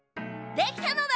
できたのだ！